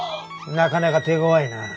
なかなか手ごわいな。